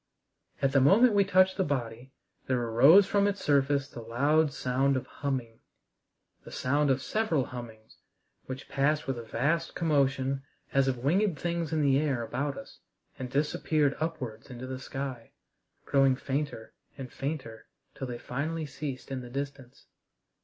At the moment we touched the body there arose from its surface the loud sound of humming the sound of several hummings which passed with a vast commotion as of winged things in the air about us and disappeared upwards into the sky, growing fainter and fainter till they finally ceased in the distance.